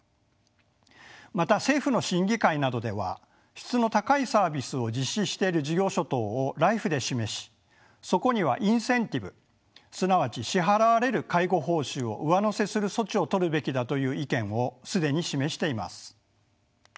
また政府の審議会などでは質の高いサービスを実施している事業所等をＬＩＦＥで示しそこにはインセンティブすなわち支払われる介護報酬を上乗せする措置を取るべきだという意見を既に示しています。